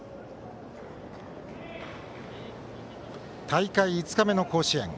大会５日目の甲子園。